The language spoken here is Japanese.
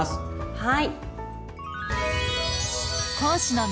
はい。